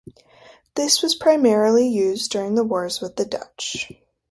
This was primarily used during the wars with the Dutch.